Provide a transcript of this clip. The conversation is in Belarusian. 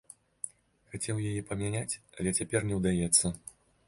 Хацеў яе памяняць, але цяпер не ўдаецца.